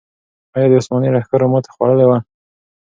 آیا د عثماني لښکرو ماتې خوړلې وه؟